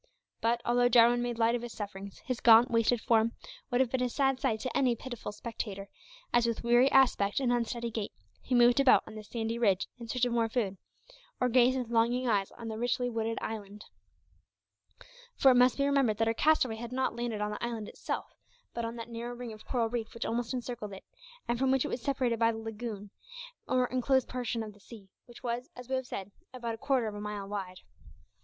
But, although Jarwin made light of his sufferings, his gaunt, wasted frame would have been a sad sight to any pitiful spectator, as with weary aspect and unsteady gait he moved about on the sandy ridge in search of more food, or gazed with longing eyes on the richly wooded island. For it must be remembered that our castaway had not landed on the island itself, but on that narrow ring of coral reef which almost encircled it, and from which it was separated by the lagoon, or enclosed portion of the sea, which was, as we have said, about a quarter of a mile wide.